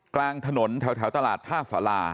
กลางถนนแถวตลาดท่าสารา